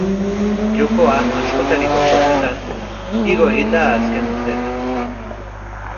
Jokoa, askotariko formetan, igo egin da azken urteetan.